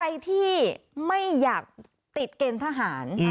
ใครที่ไม่อยากติดเกณฑ์ทหาร